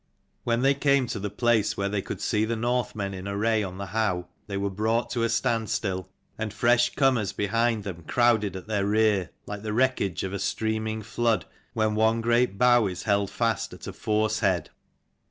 When they came to the place where they could see the Northmen in array on the howe, they were brought to a standstill: and fresh comers behind them crowded at their rear, like the wreckage of a streaming flood, when one great bough is held fast at a force head.